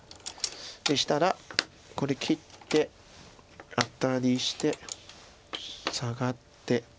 でしたらこれ切ってアタリしてサガって。